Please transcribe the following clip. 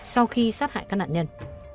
sau khi sát hại các nạn nhân